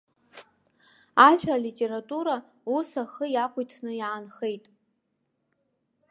Ажәа алитература ус ахы иақәиҭны иаанхеит.